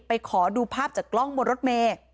เอาใบแจ้งความมาดูภาพจากกล้องบนรถเมย์